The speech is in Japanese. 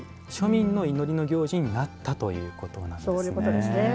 庶民の祈りの行事になったということなんですね。